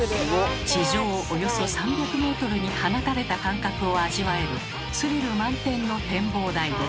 地上およそ３００メートルに放たれた感覚を味わえるスリル満点の展望台です。